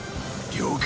了解。